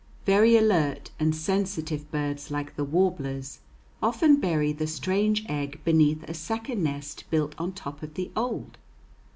Very alert and sensitive birds, like the warblers, often bury the strange egg beneath a second nest built on top of the old.